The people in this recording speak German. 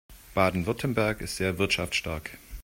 Baden-Württemberg ist sehr wirtschaftsstark.